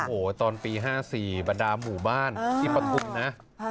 โอ้โหตอนปี๕๔บรรดาหมู่บ้านที่ปฐุมนะ